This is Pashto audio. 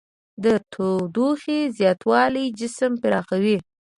د تودوخې زیاتوالی جسم پراخوي.